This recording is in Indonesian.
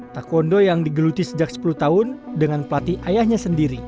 taekwondo yang digeluti sejak sepuluh tahun dengan pelatih ayahnya sendiri